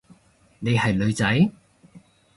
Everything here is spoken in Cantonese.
你係女仔？